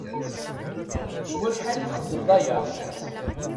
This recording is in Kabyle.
S wacḥal i txeddmeḍ aya?